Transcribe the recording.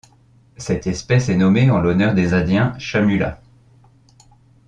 Cette espèce est nommée en l'honneur des indiens Chamula.